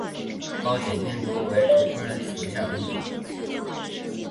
包箨矢竹为禾本科青篱竹属下的一个种。